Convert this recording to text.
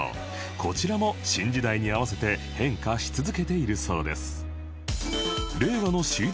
こちらも新時代に合わせて変化し続けているそうです